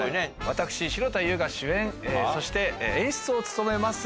私城田優が主演そして演出を務めます